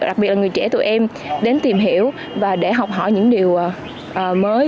đặc biệt là người trẻ tụi em đến tìm hiểu và để học hỏi những điều mới